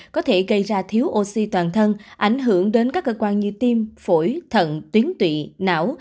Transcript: có thể gây ra thiếu oxy toàn thân ảnh hưởng đến các cơ quan như tim phổi thận tuyến tụy não